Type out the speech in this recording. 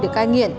để cai nghiện